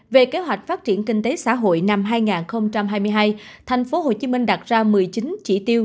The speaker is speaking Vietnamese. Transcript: về kế hoạch phát triển kinh tế xã hội năm hai nghìn hai mươi hai thành phố hồ chí minh đạt ra một mươi chín chỉ tiêu